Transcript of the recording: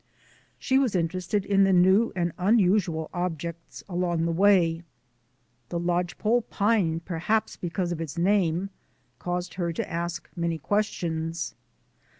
She was interested in the new and unusual objects along the way. The lodgepole pine, perhaps because of its name, caused her to ask many questions.